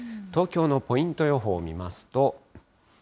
東京のポイント予報を見ますと。